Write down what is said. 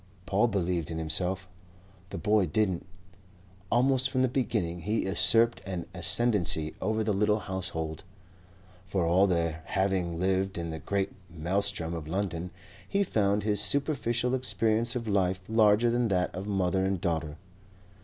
Paul believed in himself; the boy didn't. Almost from the beginning he usurped an ascendancy over the little household. For all their having lived in the great maelstrom of London, he found his superficial experience of life larger than that of mother and daughter.